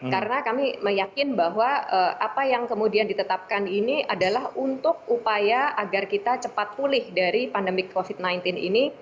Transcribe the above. karena kami meyakin bahwa apa yang kemudian ditetapkan ini adalah untuk upaya agar kita cepat pulih dari pandemik covid sembilan belas ini